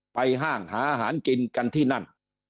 ห้างหาอาหารกินกันที่นั่น